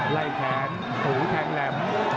ไล่แขนถูแทงแหลม